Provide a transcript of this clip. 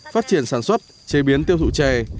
phát triển sản xuất chế biến tiêu thụ chè